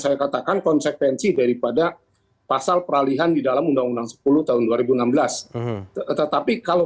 saya katakan konsekuensi daripada pasal peralihan di dalam undang undang sepuluh tahun dua ribu enam belas tetapi kalau